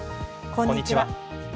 こんにちは。